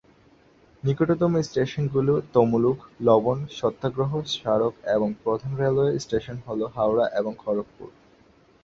নিকটতম স্টেশনগুলি তমলুক, লবণ সত্যাগ্রহ স্মারক এবং প্রধান রেলওয়ে স্টেশন হল হাওড়া এবং খড়গপুর।